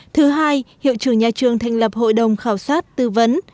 thứ hai hiệu trưởng nhà trường thành lập hội đồng khảo sát tư vấn